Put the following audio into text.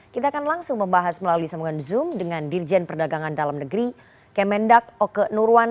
kita akan langsung membahas melalui sambungan zoom dengan dirjen perdagangan dalam negeri kemendak oke nurwan